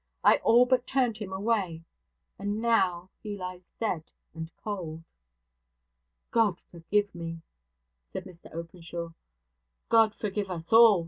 I all but turned him away: and now he lies dead and cold.' 'God forgive me!' said Mr Openshaw. 'God forgive us all!'